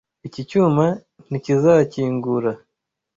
Iki cyuma ntikizakingura.